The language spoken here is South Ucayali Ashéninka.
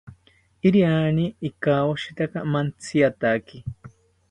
Iriani ikawoshitaka mantziataki